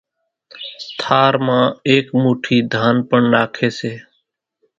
ٿار مان ايڪ موٺي ڌان پڻ ناکي سي